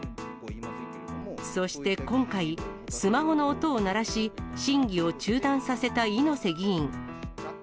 そして今回、スマホの音を鳴らし、審議を中断させた猪瀬議員。